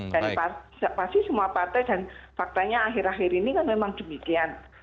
dan pasti semua partai dan faktanya akhir akhir ini kan memang demikian